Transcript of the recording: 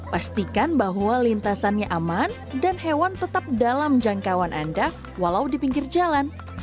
pastikan bahwa lintasannya aman dan hewan tetap dalam jangkauan anda walau di pinggir jalan